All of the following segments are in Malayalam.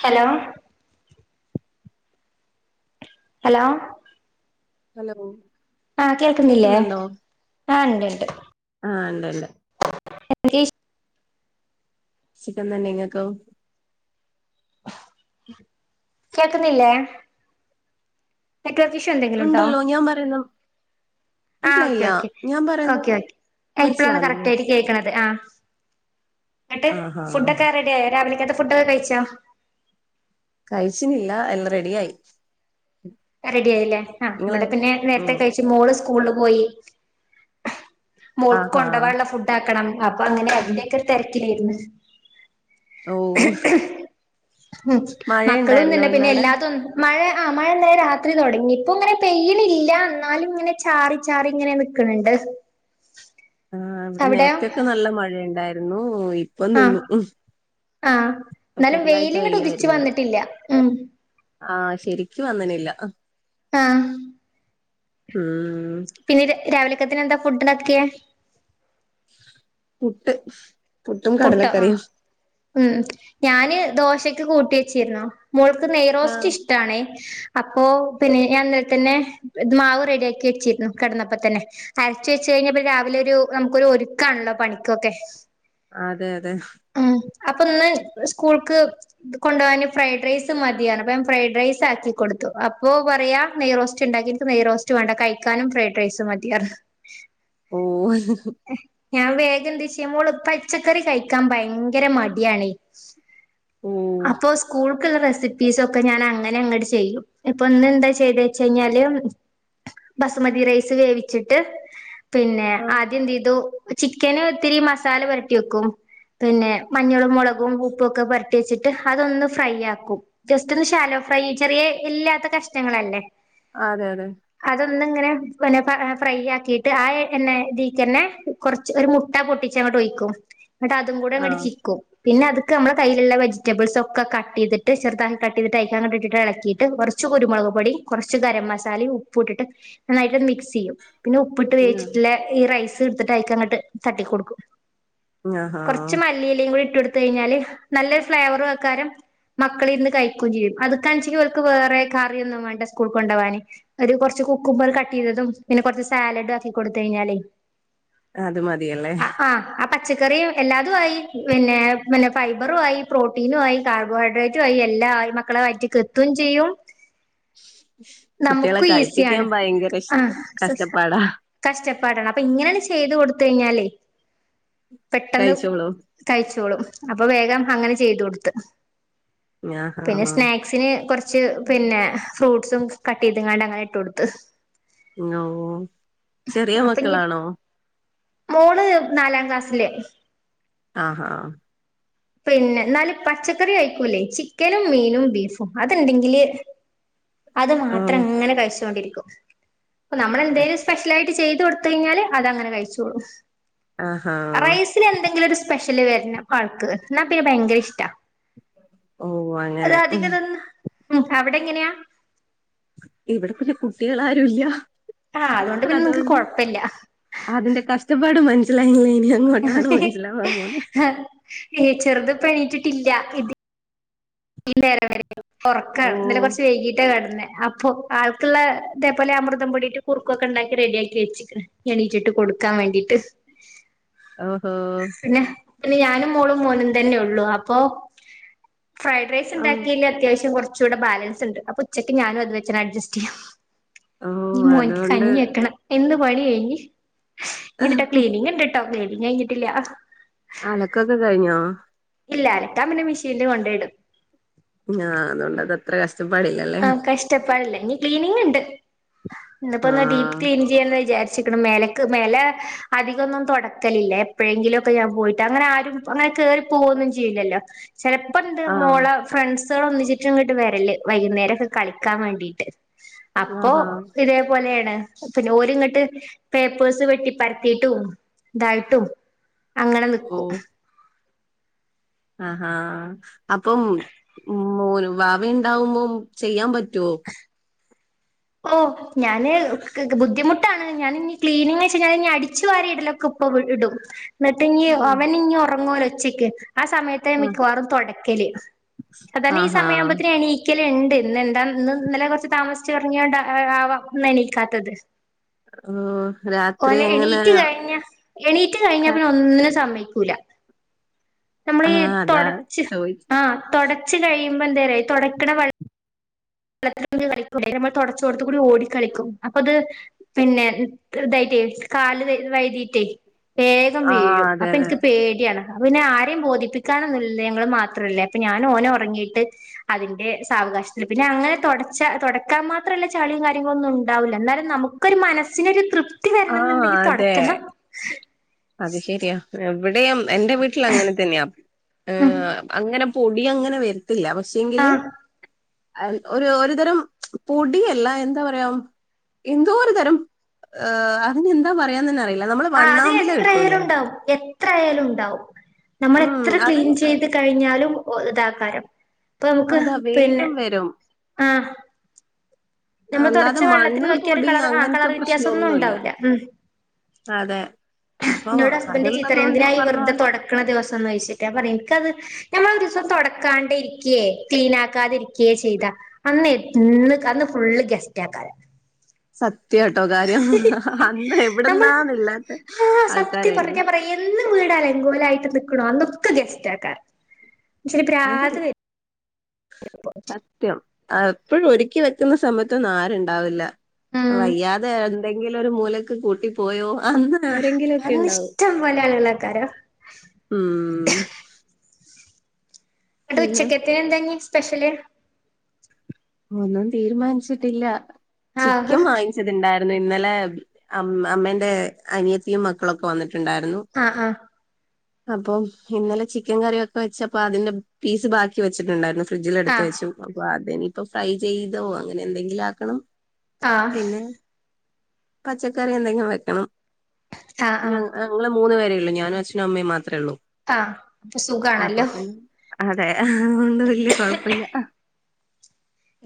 ഹലോ ഹലോ ഹലോ ആഹ് കേൾക്കുന്നില്ലേ കേക്കുന്നുണ്ടോ ആഹ് ഇണ്ട് ണ്ട് ആഹ് ഇണ്ട്ണ്ട് എന്തൊക്കേ വിഷ് സുഖം തന്നെ ഇങ്ങക്കോ കേക്കുന്നില്ലേ നെറ്റ്‌വർക്ക് ഇഷ്യൂ എന്തെങ്കിലും ഉണ്ടോ ഉണ്ടല്ലോ ഞാൻ പറയുന്ന ആഹ് ഇല്ല ഓക്കെ ഇല്ല ഓക്കെ ഞാൻ പറയുന്ന ഓക്കെ ഓക്കെ ഏഹ് ഇപ്പളാണ് മനസ്സിലാവുന്നില്ലേ കറക്റ്റായിട്ട് കേക്കണത് ആഹ് ന്നട്ട് ആഹാ ഫുഡൊക്കെ റെഡി ആയോ രാവിലേക്കത്തെ ഫുഡൊക്കെ കയ്ച്ചോ കയ്ച്ചിനില്ല എല്ല റെഡിയായി റെഡി ആയീല്ലേ ആഹ് നിങ്ങളെ ഇവിടെ പിന്നെ നേരത്തെ ഉം കയ്ച്ച് മോള് സ്കൂള് പോയി മോൾക്ക് ആഹാ കൊണ്ടോവാനുള്ള ഫുഡാക്കണം അപ്പൊ അങ്ങനെ അതിന്റെയൊക്കെ തെരക്കിലായിര്ന്ന് ഓഹ് ഹും മക്കളും തന്നെ പിന്നെ ഇന്നവിടെ എല്ലാതും മഴ ആഹ് മഴ് ഇന്നലെ രാത്രി തൊടങ്ങി ഇപ്പൊ ഇങ്ങനെ പെയ്യ്ണില്ല അന്നാലും ഇങ്ങനെ ചാറി ചാറി ഇങ്ങനെ നിക്ക്ണ് ണ്ട് ആഹ് ഇവടെ നേരത്തെയൊക്കെ ന്നല്ല മഴയ്ണ്ടായിരുന്നൂ ഇപ്പം ആഹ് നിന്നു ഉം ആഹ് ഇപ്പൊ എന്നാലും ചെറുതായിട്ട് വെയില് വെയ്ല്ങ്ങടുദിച്ച് വരുന്നുണ്ട് വന്നിട്ടില്ല ഉം ആഹ് ശെരിക്കു വന്ന്നില്ല അ ആഹ് ഉം പിന്നെ ര രാവിലക്കത്തിനെന്താ ഫുഡ്ണ്ടാക്ക്‌യേ പുട്ട് പുട്ടും പുട്ടൊ ആഹ് കടലക്കറിയും ഉം ഞാന് ദോശക്ക് കൂട്ടി വെച്ചിര്ന്നു മോൾക്ക് ആഹ് നെയ്റോസ്റ്റ്റ്റിഷ്ട്ടാണേ അപ്പോ പിന്നെ ഞാൻ ഇന്നൽത്തന്നെ ഇത് മാവ് റെഡിയാക്കി വെച്ചിരുന്നു കെടന്നപ്പ തന്നെ അരച്ച് വെച്ച് കഴിഞ്ഞപ്പോ രാവിലൊരു നമുക്കൊരു ഒരുക്കാണല്ലോ പണിക്കൊക്കെ അതെയതെ അപ്പ്ന്ന് സ്കൂൾക്ക് ത് കൊണ്ടോവാന് ഫ്രൈഡ് റൈസ് മതിയറഞ് അപ്പ ഞാൻ ഫ്രൈഡ് റൈസാക്കി കൊടുത്തു അപ്പോ പറയാ നെയ് റോസ്റ്റ്ണ്ടാ ണ്ടാക്കീട്ട് നെയ്റോസ്റ്റ് വേണ്ട കയ്ക്കാനും ഫ്രൈഡ് റൈസ് മതിയറഞ്ഞ് ഓ ഞാൻ വേഗെന്ത് ചെയ്യ മോള് പച്ചക്കറി കഴിക്കാൻ ഭയങ്കര മടിയാണേയ് ഓ അപ്പോ സ്കൂൾ ക്ക്ള്ള റെസിപ്പീസൊക്കെ ഞാനങ്ങനെ അങ്ങ്ട് ചെയ്യും ഇപ്പൊ ഇന്നെന്താ ചെയ്തേച്ചൈഞ്ഞാല് ബസുമതി റൈസ് വേവിച്ചട്ട് പിന്നെ ആഹ് ആദ്യെന്തെയ്തു ചിക്കന് ഇത്തിരി മസാല പെരട്ടി വെക്കും പിന്നെ മഞ്ഞളും മൊളകും ഉപ്പു ഒക്ക പെരട്ടി വെച്ചിട്ട് അതൊന്ന് ഫ്രൈയാക്കും ജസ്റ്റ് ഒന്ന് ഷാലോ ഫ്രൈ ചെറിയ എല്ലില്ലാത്ത കഷ്ണങ്ങളല്ലേ അതെ അതെ ഒന്ന്ങ്ങനെ പിന്നെ പാ ഫ്രൈയാക്കീട്ട് ആ എ എണ്ണേദീക്കന്നെ കൊറച്ച് ഒരു മുട്ട പൊട്ടിച്ച ങ്ങടൊയിക്കും ങ്ങട്ടതും കൂടെ അങ്ങട് ആഹ് ചിക്കും പിന്നെയത് ക്ക് നമ്മള കയ്യില്ള്ള വെജിറ്റബിൾസൊക്ക കട്ടെയ്തട്ട് ചെറുതാക്കി കട്ടെയ്തട്ട് അയിക്കങ്ങട്ടിട്ട് എളക്കീട്ട് കുറച്ച് കുരുമൊളക് ക് പൊടി കൊറച്ച് ഗരം മസാലേ ഉപ്പു ഇട്ടിട്ട് നന്നായിട്ടൊന്ന് മിക്സ് സെയ്യും പിന്നെ ഉപ്പിട്ട് വേവിച്ചിട്ട്ള്ള ഈ റൈസ് എടുത്തിട്ടയിക്കങ്ങട്ട് തട്ടിക്കൊടുക്കും ആഹാ കുറച്ച് മല്ലിയിലയും കൂടി ഇട്ടൊട്ത്ത് കഴിഞ്ഞാല് നല്ലൊരു ഫ്ലേവറുയ്ക്കാരം മക്കളിരുന്ന് കഴിക്കൂം ചെയ്യും അത്ക്കാണെച്ചെങ്കി ഓൽക്ക് വേറെ കറിയൊന്നും വേണ്ട സ്കൂൾക്കൊണ്ടോവാന് ഒരു കൊറ്ച്ച് കുക്കുമ്പറ് കട്ടീതതും പിന്നെ കൊറച്ച് സാലഡും ആക്കികൊടുത്ത് കഴിഞ്ഞാലെയ് അത് മതിയല്ലേ പച്ചക്കറി എല്ലാതുആയി പിന്നെ ഫൈബറു ആയി പ്രോട്ടീനു ആയി കാർബോഹൈഡ്രേറ്റു ആയി എല്ലാ എല്ലാ ആയി മക്കളെ വയറ്റിക്ക് എത്തും ചെയ്യും കുട്ടികളെ നമുക്കും കഴിപ്പിക്കാൻ ഈസിയാണ് ഭയങ്കര ആഹ് [unintelligible] കഷ്ടപ്പാടാ കഷ്ട പ്പെടണം അപ്പൊ ഇങ്ങനെയൊന്ന് ചെയ്ത് കൊടുത്ത് കഴിഞ്ഞാലെ പെട്ടെന്ന് കഴിച്ചോളൂ കഴിച്ചോളും അപ്പൊ വേഗം അങ്ങനെ ചെയ്ത് കൊടുത്ത് ആഹാ പിന്നെ സ്നാക്സിന് കൊറച്ച് പിന്നെ ഫ്രൂട്ട് സും കട്ട് ചെയ്ത്ങ്ങാണ്ട് അങ്ങനെ ഇട്ട് കൊടുത്ത് ഓഹ് ചെറിയ അപ്പൊ ഇനി മക്കളാണോ മോള് നാലാം ക്ലാസ്സില് ആഹ് ഹാ പിന്നെ ഇന്നാല് പച്ചക്കറി കയിക്കൂലെയ് ചിക്കനും മീനും ബീഫും അത്ണ്ടെങ്കില് [inaudible] അത് ഓ മാത്രം ഇങ്ങനെ കഴിച്ചോണ്ടിരിക്കും. ഇപ്പൊ നമ്മളെന്തേലും അച്ച സ്പെഷ്യലായിട്ട് ചെയ്ത് കൊടുത്ത കൊടുത്ത് കഴിഞ്ഞാല് അത് അങ്ങനെ കഴിച്ചോളും ആഹ് റൈസില് എന്തെങ്കിലും ഒരു സ്പെഷ്യല് വരണം ആൾക്ക് എന്നാ പിന്നെ ഭയങ്കര ഇഷ്ടാ ഓഹ് അത് അങ്ങനെ അധികം തിന്ന ഉം അവിടെ എങ്ങനെയാ ഇവിടെ പിന്നെ കുട്ടികൾ ആരുംല്ല ആഹ് പിന്നെ നിങ്ങക്ക് അതുകൊണ്ട് കൊഴപ്പല്ല അതിന്റെ കഷ്ടപ്പാട് മനസ്സിലാ [unintelligible] ആഹ് ചെറുതിപ്പോ എണീറ്റിട്ടില്ല ഇത് ഈ നേരം വരെയും ഓ ഒറക്കാണ്. ഇന്നലെ കുറച്ച് വൈകീട്ടാ കിടന്ന് അപ്പൊ ആൾക്ക്ള്ള ഇതേപോലെ അമൃതം പൊടിയിട്ട് കുറുക്കൊക്കെ ഉണ്ടാക്കി റെഡിയാക്കി വെച്ച്ക്ക്ണ് എണീറ്റിട്ട് കൊടു കൊടുക്കാൻ വേണ്ടിട്ട് ഓഹോ പിന്നെ പിന്നെ ഞാനും മോളും മോനും തന്നെ ഉള്ളൂ. അപ്പൊ ഫ്രൈഡ് റൈസ് ആ ഇണ്ടാക്കീല് അത്യാവശ്യം കൊറ്ച്ച് കുറച്ചൂടെ ബാലൻസ്ണ്ട്. അപ്പൊ ഉച്ചയ്ക്ക് ഞാനും അത് വെച്ചൻ അഡ്ജസ്റ്റ് ചെയ്യും ഓ ഇനി മോനിക്ക് അതുകൊണ്ട് കഞ്ഞി വെക്കണം എന്ന പണി കഴിഞ്ഞ് ഇനീണ്ട്ട്ടോ ക്ലീനിംഗ് ഇണ്ട്ട്ടോ ക്ളീനിംഗ് കഴിഞ്ഞിട്ടില്ല അലക്കൊക്കെ കഴിഞ്ഞോ ഇല്ല അലക്കാൻ പിന്നെ മെഷീനില് കൊണ്ടോയിടും ആഹ് അതുകൊണ്ട് അതത്ര കഷ്ട ആഹ് കഷ്ടപ്പാടില്ല ഇനി ക്ലീനിങ്ണ്ട്. ഇന്ന്പ്പോ ആ ഒന്ന് ഡീപ്പ് ക്ലീൻ ചെയ്യാന്ന് വിചാരിച്ച് ക്ക്ണ് മേലെക്ക് മേലെ അധികൊന്നും തുടക്കലില്ല എപ്പഴെങ്കിലും ഒക്കെ ഞാൻ പോയിട്ട് അങ്ങനെ ആരും അങ്ങനെ കേറി പോവൊന്നും ചെയ്യില്ലല്ലോ ചെലപ്പോ ഇന്റെ ആ മോളെ ഫ്രണ്ട്സുകൾ ഒന്നിച്ചിട്ട് ഇങ്ങട്ട് വരല് വൈകുന്നേരൊക്കെ കളിക്കാൻ വേണ്ടീട്ട് അപ്പൊ ആഹാ ഇതേപോലെ പിന്നെ ഓല്ങ്ങട്ട് പേപ്പേഴ്സ് വെട്ടി പരത്തീട്ടും ഇതായിട്ടും അങ്ങനെ നിക്കും ആഹ് ഹാ അപ്പം മോനും വാവേം ഇണ്ടാവുമ്പോ ചെയ്യാൻ പറ്റോ ഓ ഞാന് ബുദ്ധിമുട്ടാണ് ഞാനിനി ക്ലീനിങ്ങ് വെച്ച് കഴിഞ്ഞാല് ഇനി അടിച്ചു വാരി ഇടലൊക്കെ ഇപ്പൊ ഇടും എന്നിട്ട് ഞ്ഞി ഉം അവനിഞ്ഞി ഒറങ്ങോലോ ഉച്ചയ്ക്ക് ആ സമയത്തെ ഞാൻ ആ മിക്കവാറും തുടയ്ക്കല് അതന്നെ ഈ ആഹാ സമയാകുമ്പത്തിന് എണീ ഒരിക്കല ഉണ്ട് ഇന്ന് എന്താ ഇന്ന് ഇന്നലെ കുറച്ച് താമസിച്ചച്ച് പറഞ്ഞ കൊണ്ട് ആവാം എനീക്കാത്തത് ഓ രാത്രി ഓന എങ്ങനെ എണീറ്റ് കഴിഞ്ഞ എണീറ്റ് കഴിഞ്ഞ ക- പിന്നെ ഒന്നിനന് സമ്മക്ക നമ്മള് ആ ഈ അതാ തുടച്ച് ചോദിച്ചെ ആ തുടച്ച് കഴിയാ തുടക്കട വ വത്തില കളിക്കും നമ്മൾ തുടച്ചോടുത്ത് കൂടി ഓടിക്കളിക്കും അപ്പൊ അത് പിന്നെത കാല് വൈതിട്ടേ വേകം ആ വീഴും അതെ അപ്പൊ അതെ എനിക്ക് പേടിയാണ് പിന്നെ ആരെയും ബോധിപ്പിക്കാണ ഞങ്ങൾ മാത്രല്ലേ അപ്പൊ ഞാൻ ഓന ഉറങ്ങിയിട്ട് അതിന്റെ സാവകാശത്തിൽ പിന്നെ അങ്ങനെ തുടച്ച തുടക്കാൻ മാത്രമല്ല ചളിയും കാര്യങ്ങളൊന്നും ഉണ്ടാവില്ല എന്നാലും നമുക്കൊരു മനസ്സിനൊരു തൃപ്തി വരണം ആഹ എന്നുണ്ടെങ്കിൽ അതെ തുടക്കണം അത് ശെരിയാ ഇവിടെ എന്റെ വീട്ടിൽ അങ്ങനെ തന്നെയാ ഉം അങ്ങനെ പൊടി അങ്ങനെ വര ല്ല പക്ഷേങ്കില് ആഹ് ഒരു ഒരുതരം പൊടിയല്ല എന്താ പറയാം എന്തോ ഒരു തരം അതിനെന്താ പറയാന്ന് തന്നെ അറിയില്ല നമ്മള് ആ അത് വണ്ണാമ്പില എത്ര കിട്ടൂലേ യാലും ഉണ്ടാവും എത്ര ആയാലും ഉണ്ടാവും നമ്മൾ ഉം എത്ര അത് ക്ലീൻ ചെയ്ത് കഴിഞ്ഞാലും ഇതാക്കാരം ഇപ്പ നമുക്ക് അതാ പിന്നെ വേഗം വരും. ആ നമ്മൾ അല്ലാതെ തുടച്ച വെള്ളത്തിൽ മണ്ണ് നോക്കിയ ഒരു പൊടി കളർ ആ കളർ അങ്ങനത്തെ പ്രശ്ന വ്യത്യാസം ഒന്നും ഒന്നുമല്ല ഉണ്ടാവില്ല അതെ അപ്പൊ നിന്നോട് ഹസ്ബൻഡന്റെ അതുള്ളത് ചീത്തറിം കൊണ്ട് ഈ ന്തിനായി പറഞ്ഞ വെറുതെ പോലെ തുടക്കണ ദിവസം എന്ന് വോദിച്ചിട്ട പറയും എനിക്കത് ഞമ്മളൊ തുടക്കാ ഇരിക്കയ ക്ലീനക്കാതിരിക്കയ ചെയ്ത അന്ന് ഫുള്ള് ഗെസ്റ്റ് ആക്കാരം സത് സത്യാട്ടോ കാര്യം അന്ന് നമ്മൾ എവിടന്നാന്നല്ലാത്ത ആ സത്യം പറഞ്ഞ ആൾക്കാരായിരിക്കും ഞാൻ പറയാ എന്നും വീട് അലങ്കോലായിട്ട് നിക്കണോ അന്നൊക്കെ ഗെസ്റ്റ് ആക്കാർ അ സത്യം ആ ഇപ്പോഴ ഒരുക്കി വെക്കുന്ന സമയത്തൊന്നും ആരുണ്ടാവില്ല ഉം വയ്യാതെ എന്തെങ്കിലൊ ഒരു മൂലക്ക് കൂട്ടിപ്പോയോ അന്ന് ആഹ് ആരെങ്കിലുംൊക്കെ അന്ന് ഉണ്ടാവും ഇഷ്ടം പോലെ ആളുകളേക്കാരം ഉ അട്ട് ഉച്ചക്കത്തിന് എന്താങ്ങ സ്പെഷ്യല് ഒന്നും തീരുമാനിച്ചിട്ടില്ല ആഹ് ചിക്കൻ വാങ്ങിച്ചത്ണ്ടായി ഇന്നലെ അമ്മേന്റെ അനിയത്തിയും മക്കളൊക്കെ വന്നിട്ടു ണ്ടായിരുന്നു ആഹ് ആഹ് അപ്പൊ ഇന്നലെ ചിക്കൻ കറിക്കെ വെച്ചപ്പോ അതിന്റെ പീസ് ബാക്കി വെച്ചിട്ടുണ്ടായിരുന്നു ഫ്രിഡ്ജിൽ എടുത്തു ആഹ് വെച്ചു അപ്പൊ അത്നിപ്പോ ഫ്രൈ ചെയ്തോ അങ്ങനെ എന്തെങ്കിലും ആക്കണം ആഹ പിന്നെ പച്ചക്കറി എന്തെങ്കിലും വെക്കണം ആഹ് ആഹ് ഞങ്ങള് മൂന്ന് പേരെ ഞാനും അച്ഛനും അമ്മ മാത്രേ ഉള്ളൂ ആഹ് അപ്പൊ സുഖാണല്ലോ അതെ അതോണ്ട് വല്യ കൊഴപ്പില്ല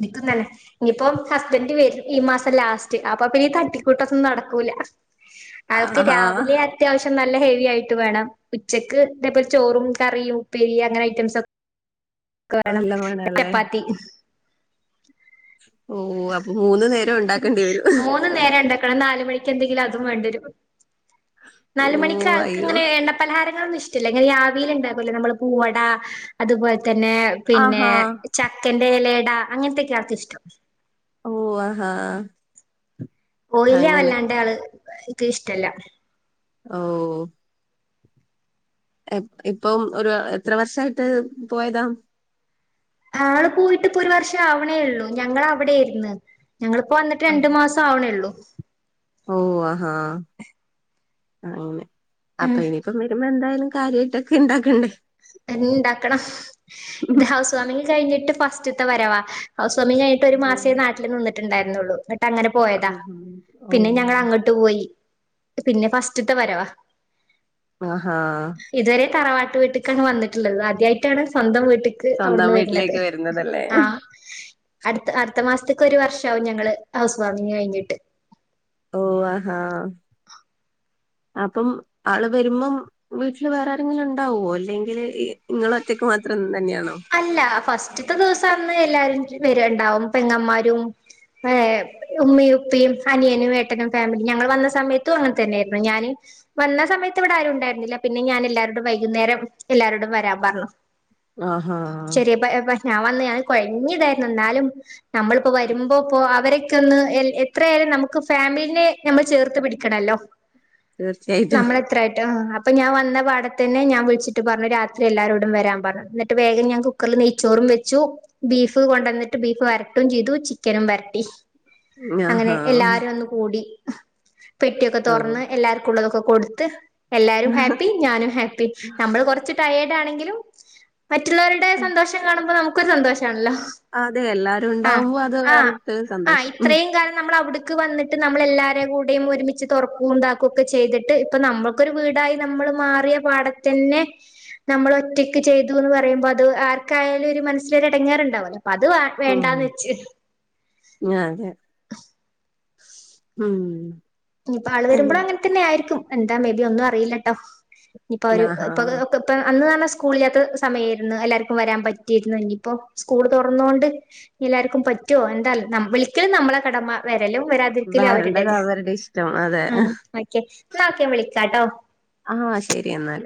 നിക്കൊന്നല്ലേ ഇനിപ്പോം ഹസ്ബന്റ് വരും ഈ മാസം ലാസ്റ്റ് അപ്പൊ പിന്നെ ഈ തട്ടിക്കൂട്ടൊന്നും നടക്കൂല അവൾക്ക് ആഹാ രാവിലെ അത്യാവശ്യം നല് നല്ല ഹേവി ആയിട്ട് വേണം ഉച്ചക്ക് ഇതേപോലെ ചോറും കറിയും ഉപ്പേരി അങ്ങനെ ഐറ്റംസൊക് കാ [unintelligible] ണം എല്ലാം വേണല്ലേ ചപ്പാത്തി ഓഹ് അപ് മൂന്ന് നേരം ഇണ്ടാക്കണം നാലുമണിക്ക് എന്തെങ്കിലും അതും വേണ്ടരു ഓ നാല് മണിക്ക ആൾക്ക് അയ്യോ ഇങ്ങനെ എണ്ണ പലഹാരങ്ങള് ഇഷ് ചെല ങ്ങനെ രാവിലെ ഉണ്ടാക്കല്ലോ നമ്മള് പൂവട അതുപോല തന്നെ പിന്നെ ആഹാ ചക്കന്റെ എലട അങ്ങനത്തെക്കെ ആർക്ക് ഇഷ്ടം ഓ ആ ആഹാ ഓളില് അങ്ങനെ വല്ലാണ്ട ആള് ഇക്ക് ഇഷ്ടല്ല ഓഹ് ഇപ്പം ഒരു എത്ര വർഷായിട്ട് പോയതാ ആള് പോയിട്ട്പ്പൊ ഒരു വർഷം ആവണേ ഉള്ളൂ ഞങ്ങൾ അവിടെ ഏര്ന്ന് ഞങ്ങള്പ്പോ വന്നിട്ട് രണ്ട് മാസം ആവേണേയൊള്ളൂ ഓഹ് ആ ഹാ അങ്ങനെ അപ്പൊ ഇനിപ്പ വരുമ്പോ എന്തായ കാര്യയിട്ടൊക്കെ ഇണ്ടാക്കണ്ടേ എന്ന ഇണ്ടാക്കണം ഇത് ഹൗസ് വാമിങ് കഴിഞ്ഞിട്ട് ഫസ്റ്റ്ത്തെ വരവാ ഹൗസ് ഫാർമിംഗ് കഴിഞ്ഞിട്ട് ഒരു ഓ മാസേ നാട്ടില് നിന്നിട്ടുണ്ടായിരുന്നുള്ളു അങ്ങനെ പോയതാ ആഹാ ഓ പിന്നെ ഞങ്ങൾ അങ്ങട്ട് പോയി പിന്നെ ഫസ്റ്റത്തെ വരവാ അഹ് ഹാ ഇതുവരെ തറവാട്ട് വീട്ക്കാണ് വന്നിട്ട്ള്ളത് അദ്യയിട്ടാണ് സ്വന്തം വീട്ട ട്ടിക്ക് സ്വന്തം അവിട്ന്ന് വര്ന്നത് വീട്ടിലേക്ക് വരുന്നതല്ലേ ആഹ് അട്ത്ത അട്ത്ത മാസത്ത്ക്ക് ഒരു വർഷ ആവും ഞങ്ങള് ഹൗസ് വാർമിങ് കഴിഞ്ഞിട്ട് ഓഹ് ആഹാ അപ്പം ആള് വരുമ്പം വീട്ടില് വേറെ ആരെങ്കിലും ഉണ്ടാവോ അല്ലെങ്കില് ഇ അല്ല ഫസ്റ്റത്തെ ദിവസന്ന് എല്ലാരും വര്വണ്ടാവും പെങ്ങമാരും ഏ എ ഉമ്മി ഉപ്പി അനിയനും ഏട്ടനും ഫാമിലി ഞങ്ങൾ വന്നസ് സമയത്തും അങ്ങതന്നെര്ന്നു ഞാന് വന്ന സമയത്ത് ഇവിടെ ആരും ഉണ്ടായിരുന്നില്ല പിന്നെ ഞാൻ എല്ലാ രൊടും വൈകുന്നേരം എല്ലാരോടും വരാ പറഞ്ഞു ആഹ്ആഹ് ശരിയ ഞാൻ വന്ന് ഞാൻ കൊഴഞ്ഞിയതായിരുന്നു ഇന്നാലും നമ്മളിപ്പോ വരുമ്പോ ഇപ്പോ അവരൊക്ക ഒന്ന് എ എത്രയലും നമുക്ക് ഫാമിലിനെ നമ്മൾ ചേർത്ത് പിടിക്കണല്ലോ തീർച്ചയായിട്ടും അം അപ്പൊ ഞാൻ വന്ന പാട തന്നെ ഞാൻ വിള്ച്ചിട്ട് പറ്ഞ്ഞു രാത് ത്തി എല്ലാരരോടും വരാൻ പറഞ്ഞു ഇന്നട്ട് വേഗം ഞാൻ കുക്കറ്ല് നെയ്ച്ചോറും വെച്ചു ബീഫ് കൊണ്ട ന്നിട്ട് ബീഫ് വര ഇതും ജിതും ചിക്കനും വരട്ടി അങ്ങനെ ആഹാ എല്ലാരും ഒന്ന് കൂടി പെട്ടിയൊക്കെ ഓ തൊറന്ന് എല്ലാർക്കു ഉള്ളതൊക്കെ കൊടുത്ത് എല്ലാരും ഹാപ്പി ഞാനും ഹാപ്പി നമ്മൾ കൊറച്ച് ട്ടയേർഡാണെങ്കിലും മറ്റുള്ളവരുടെ സന്തോഷം കാണുമ്പോ നമുക്കൊരു സന്തോഷാണല്ലോ അതെ എല്ലാരും അഹ് ഉണ്ടാവുമ്പോ അത് ആഹ് വേറൊരു ആഹ് സന്തോഷം ഉം ഇത്രയും കാലം നമ്മൾ അവിട്ക്ക് വന്നിട്ട് നമ്മൾ എല്ലാരേ കൂ ടെയും ഒരുമിച്ച് തൊറക്കു ഇതാ ക്കൊക്കെ ചെയ്തിട്ട് ഇപ്പൊ നമ്മൾക്കൊരു വീടായി നമ്മള് മാറിയ പാട തന്നെ നമ്മൾ ഒറ്റയ്ക്ക് ചെയ്തുന്ന് പറയുമ്പോ അത് ആർക്കായലും ഒരു മനസ്സില് ഒരു എടങ്ങാറുണ്ടാവല്ലോ അപ്പോ അത് വ വേണ്ടാന്ന് ഉം. വെച്ച് അതെ ഉം ഇനിയിപ്പ ആൾ ഉം. വരുമ്പളു അങ്ങനെതന്നെ ആയിരിക്കും എന്താ മെബി ഒന്നും അറിയില്ലട്ടോ ഇപ്പൊ അവര് ആഹാ ഇപ്പൊ ഇപ്പ അന്ന് നല്ല സ് സ്കൂൾ ഇില്ലാത്ത സമയയിരുന്നു എല്ലാവർക്കും വരാൻ പറ്റിയിരുന്നു ഇനിയിപ്പോ സ്കൂൾ തുറന്നൊണ്ട് എല്ലാർക്കും പറ്റു എന്താ വിളിക്കലും നമ്മളെ കടമ വരലും വരാതിരിക്കലും വരണ്ടത് അവരുടേത് അവരുടെ ഇഷ്ടം അതെ ആ ഓക്കെ എന്ന ഒക്കെ വിളിക്കാട്ടോ ല്ല